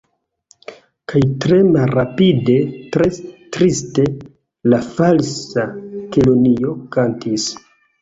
Kaj tre malrapide, tre triste la Falsa Kelonio kantis.